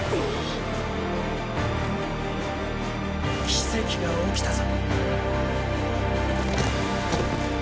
奇跡が起きたぞ。